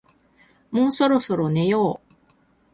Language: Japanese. もうそろそろ寝よう